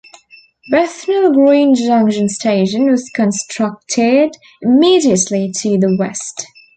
Bethnal Green Junction station was constructed immediately to the west.